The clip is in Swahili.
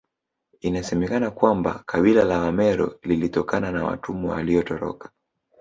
Inasemekana kwamba kabila la Wameru lilitokana na watumwa waliotoroka